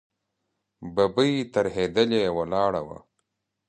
ببۍ ترهېدلې ولاړه وه.